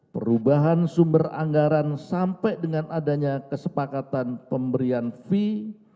perubahan sumber anggaran sampai dengan adanya kesepakatan pemberian fee